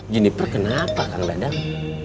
jennifer kenapa kang dadang